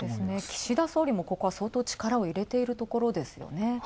岸田総理もここは、力を入れているところですよね。